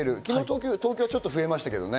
昨日、東京はちょっと増えましたけどね。